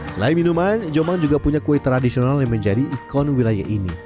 selain minuman jombang juga punya kue tradisional yang menjadi ikon wilayah ini